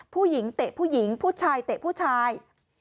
เตะผู้หญิงผู้ชายเตะผู้ชาย